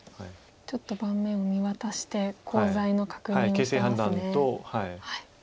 ちょっと盤面を見渡してコウ材の確認をしてますね。